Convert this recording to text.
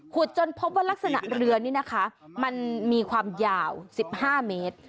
จนพบว่ารักษณะเรือนี่นะคะมันมีความยาว๑๕เมตร